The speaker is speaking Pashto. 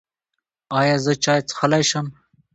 ایا زه چای څښلی شم؟